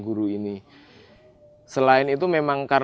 kurikulum kita asal dari menggunakan bahan bekas